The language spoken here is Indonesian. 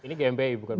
ini gmi bukan